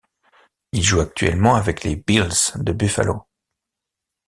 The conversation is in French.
Il joue actuellement avec les Bills de Buffalo.